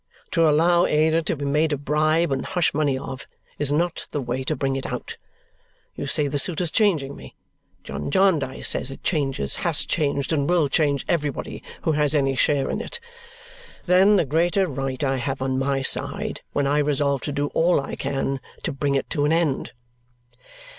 To allow Ada to be made a bribe and hush money of is not the way to bring it out. You say the suit is changing me; John Jarndyce says it changes, has changed, and will change everybody who has any share in it. Then the greater right I have on my side when I resolve to do all I can to bring it to an end."